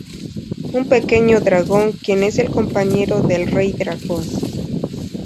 Un pequeño dragón quien es el compañero del Rey Dragón.